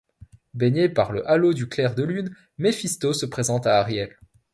Baigné par le halo du clair de lune, Mephisto se présente à Ariel.